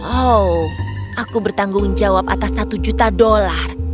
oh aku bertanggung jawab atas satu juta dolar